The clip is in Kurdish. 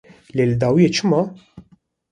Lê li dawiyê çi ma?